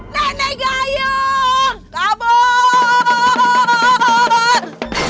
nenek gayung kabur